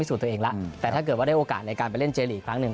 สูตรตัวเองแล้วแต่ถ้าเกิดว่าได้โอกาสในการไปเล่นเจรีย์ครั้งหนึ่ง